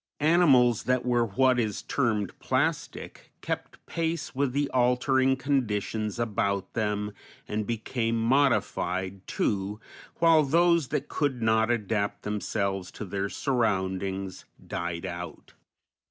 Animals that were what is termed plastic kept pace with the altering conditions about them and became modified, too, while those that could not adapt themselves to their surroundings died out.